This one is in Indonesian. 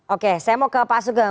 oke saya mau ke pak sugeng